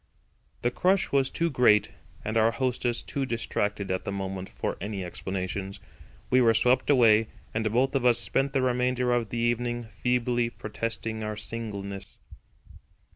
The crush was too great and our hostess too distracted at the moment for any explanations. We were swept away, and both of us spent the remainder of the evening feebly protesting our singleness.